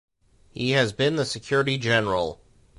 He has been the Secretary-General.